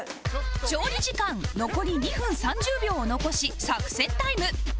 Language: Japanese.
調理時間残り２分３０秒を残し作戦タイム